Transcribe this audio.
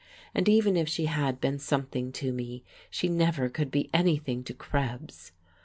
And even if she had been something to me, she never could be anything to Krebs.